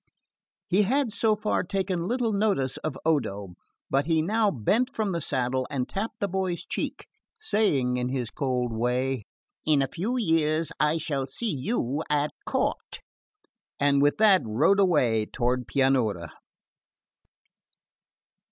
He had so far taken little notice of Odo, but he now bent from the saddle and tapped the boy's cheek, saying in his cold way: "In a few years I shall see you at court;" and with that rode away toward Pianura.